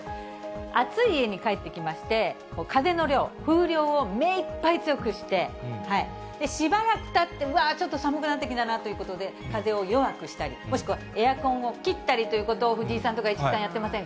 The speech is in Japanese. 暑い家に帰ってきまして、風の量、風量を目いっぱい強くして、しばらくたって、うわー、ちょっと寒くなってきたなということで、風を弱くしたり、もしくはエアコンを切ったりということを藤井さんとか、市來さん、やってません